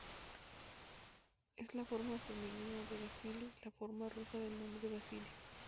Es la forma femenina de "Vasili", la forma rusa del nombre Basilio.